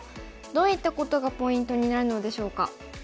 どういったことがポイントになるのでしょうか。